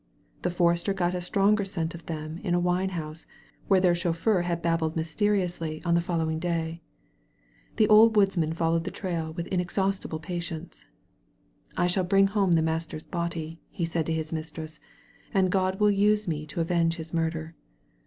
The forester got a stronger scent of them in a wine house, where their chauffeur had babbled mysteriously on the follow ing day. The old woodsman followed the trail with inexhaustible patience. "I shall bring the master's body home," he said to his mistress, ^*and God will use me to avenge his murder."